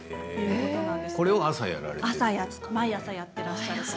これを毎朝やっていらっしゃいます。